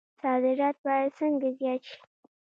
صادرات باید څنګه زیات شي؟